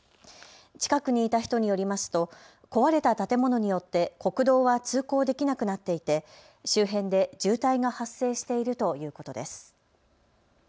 近くにいた人によりますと壊れた建物によって国道は通行できなくなっていて周辺で渋滞が発生しているということです。